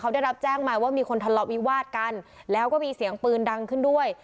เขาได้รับแจ้งมาว่ามีคนทะเลาะวิวาดกันแล้วก็มีเสียงปืนดังขึ้นด้วย